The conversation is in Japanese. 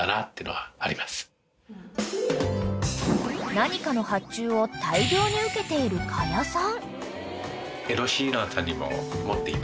［何かの発注を大量に受けている可夜さん］